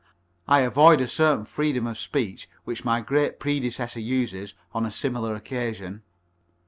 I avoid a certain freedom of speech which my great predecessor uses on a similar occasion.